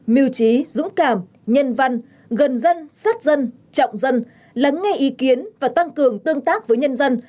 mưu trí dũng cảm nhân văn gần dân sát dân trọng dân lắng nghe ý kiến và tăng cường tương tác với nhân dân